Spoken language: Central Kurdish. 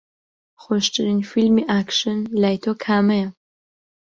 خۆشترین فیلمی ئاکشن لای تۆ کامەیە؟